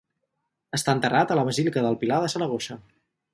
Està enterrat a la Basílica del Pilar de Saragossa.